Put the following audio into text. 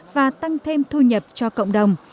và tăng thêm thu nhập cho cộng đồng